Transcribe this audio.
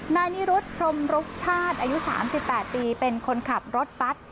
นายนิรุธพรมรุกชาติอายุ๓๘ปีเป็นคนขับรถบัตร